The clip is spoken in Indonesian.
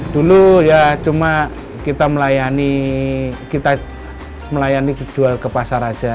dulu ya cuma kita melayani kita melayani jual ke pasar aja